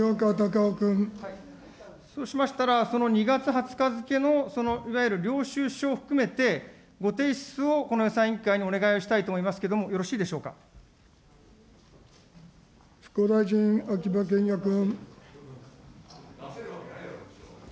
そうしましたら、その２月２０日付の、そのいわゆる領収書を含めて、ご提出をこの予算委員会にお願いをしたいと思いますけれども、よ復興大臣、秋葉賢也君。